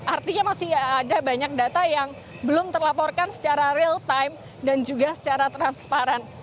artinya masih ada banyak data yang belum terlaporkan secara real time dan juga secara transparan